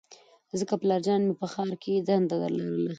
ځکه پلارجان مې په ښار کې دنده لرله